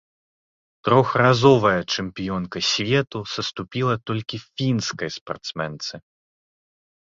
Трохразовая чэмпіёнка свету саступіла толькі фінскай спартсменцы.